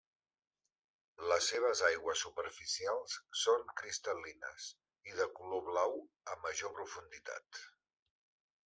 Les seves aigües superficials són cristal·lines i de color blau a major profunditat.